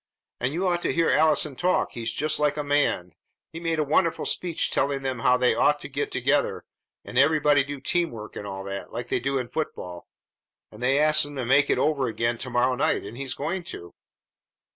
And you ought to hear Allison talk! He's just like a man! He made a wonderful speech telling them how they ought to get together, and everybody do teamwork and all that, like they do in football; and they asked him to make it over again to morrow night, and he's going to!"